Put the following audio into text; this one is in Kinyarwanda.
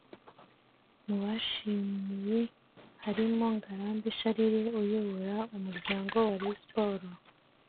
Mu bashimiwe harimo Ngarambe Charles uyobora umuryango wa Rayon Sports